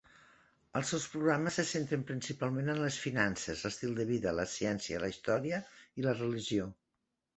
Els seus programes se centren principalment en les finances, l'estil de vida, la ciència, la història i la religió.